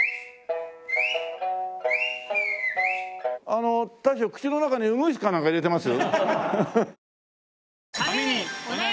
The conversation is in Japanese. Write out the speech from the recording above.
あの大将口の中にウグイスかなんか入れてます？